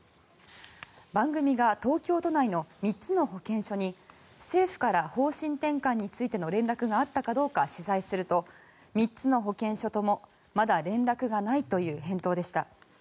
番組が東京都内の３つの保健所に政府から方針転換についての連絡があったかどうか取材すると３つの保健所ともまだ連絡がないという返答でした。